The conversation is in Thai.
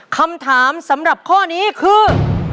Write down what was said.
คำถามสำหรับข้อนี้คือ